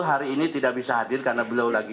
hari ini tidak bisa hadir karena beliau lagi